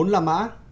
bốn làm mã